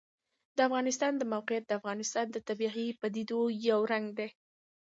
د افغانستان د موقعیت د افغانستان د طبیعي پدیدو یو رنګ دی.